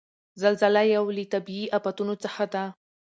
زلزله یو له طبعیي آفتونو څخه ده.